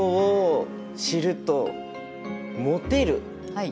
はい。